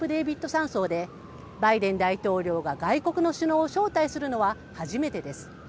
山荘で、バイデン大統領が外国の首脳を招待するのは初めてです。